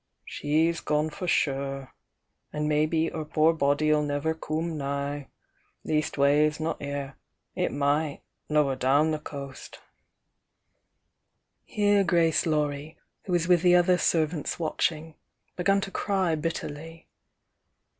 — she's gone for sure! an' mebbe her poor body'll never come nigh — leastways not 'ere, — it might, lower down the coast." Here Grace Laurie, who was with the other serv antB watching, began to cry bitterly.